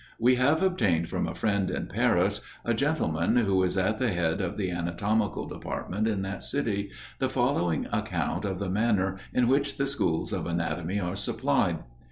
We have obtained from a friend in Paris, a gentleman who is at the head of the anatomical department in that city, the following account of the manner in which the schools of anatomy are supplied.